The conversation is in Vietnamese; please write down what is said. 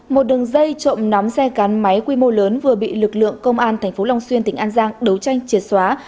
một đường dây trộm nắm xe gắn máy quy mô lớn vừa bị lực lượng công an tp long xuyên tỉnh an giang đấu tranh triệt xóa